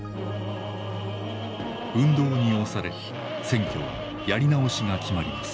運動に押され選挙はやり直しが決まります。